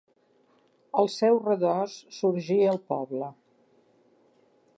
Al seu redòs sorgí el poble.